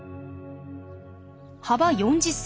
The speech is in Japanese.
幅４０ｃｍ。